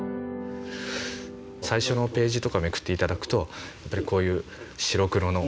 最初のページとかめくって頂くとやっぱりこういう白黒の。